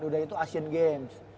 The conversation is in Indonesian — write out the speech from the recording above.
udah itu asian games